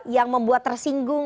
yang membuat tersinggung